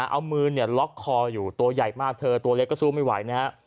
เอามือเนี่ยล็อกคออยู่ตัวใหญ่มากเธอตัวเล็กก็สู้ไม่ไหวนะฮะ